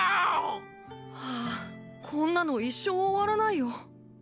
はぁこんなの一生終わらないよ。